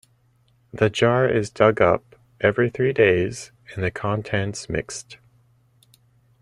The jar is dug up every three days and the contents mixed.